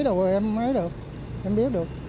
xe đồ ấy em mới được em biết được